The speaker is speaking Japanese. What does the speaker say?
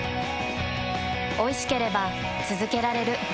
おいしければつづけられる。